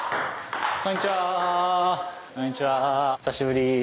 久しぶり」